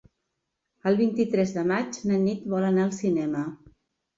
El vint-i-tres de maig na Nit vol anar al cinema.